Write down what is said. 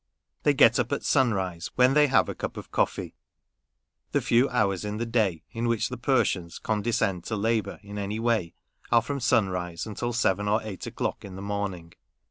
They get up at sunrise, when they have a cup of coffee. The few hours in the day in which the Persians condescend to labour in any way, are from sunrise until seven or eight o'clock in the morning.